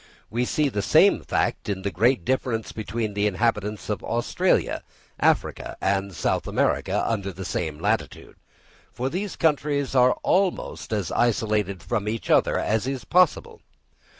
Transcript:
We see the same fact in the great difference between the inhabitants of Australia, Africa, and South America under the same latitude; for these countries are almost as much isolated from each other as is possible.